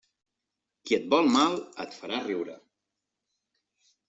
Qui et vol mal, et farà riure.